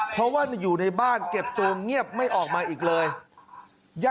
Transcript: เพราะว่าอยู่ในบ้านเก็บตัวเงียบไม่ออกมาอีกเลย